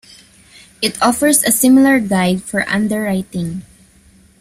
It offers a similar guide for underwriting.